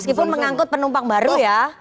meskipun mengangkut penumpang baru ya